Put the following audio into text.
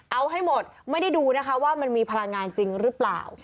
เอาให้หมดไม่ได้ดูนะคะว่ามันมีพลังงานจริงหรือเปล่า